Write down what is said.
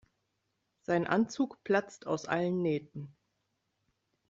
Sein Anzug platzt aus allen Nähten.